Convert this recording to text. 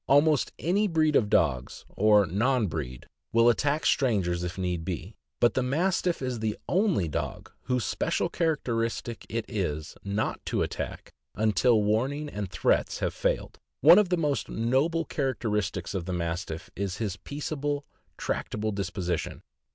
Almost any breed of dogs,* or non breed, will attack strangers if need be, but the Mastiff is the only dog whose special characteristic it is not to attack until warning and threats have failed. One of the most noble characteristics of the Mastiff is his peaceable, tractable disposition.